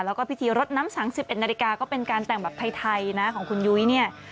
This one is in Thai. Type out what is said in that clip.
แล้วก็พิธีรดน้ำสัง๑๑นาฬิกาก็เป็นการแต่งแบบไทยนะของคุณยุ้ยเนี่ย